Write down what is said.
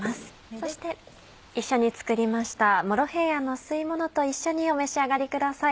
そして一緒に作りました「モロヘイヤの吸いもの」と一緒にお召し上がりください。